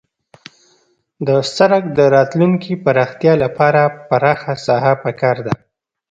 د سرک د راتلونکي پراختیا لپاره پراخه ساحه پکار ده